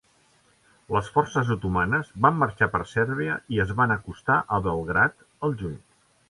Les forces otomanes can marxar per Sèrbia i es van acostar a Belgrad al juny.